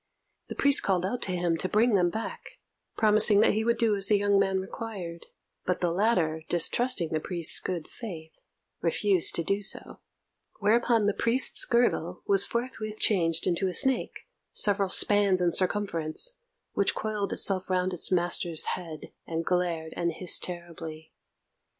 The priest called out to him to bring them back, promising that he would do as the young man required; but the latter, distrusting the priest's good faith, refused to do so; whereupon the priest's girdle was forthwith changed into a snake, several spans in circumference, which coiled itself round its master's head, and glared and hissed terribly.